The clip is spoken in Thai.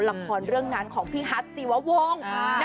ละครเรื่องนั้นของพี่ฮัทศิวะวง